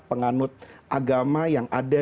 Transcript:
penganut agama yang ada